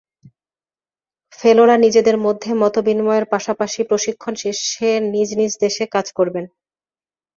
ফেলোরা নিজেদের মধ্যে মতবিনিময়ের পাশাপাশি প্রশিক্ষণ শেষে নিজ নিজ দেশে কাজ করবেন।